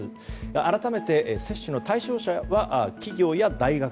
改めて、接種の対象者は企業や大学。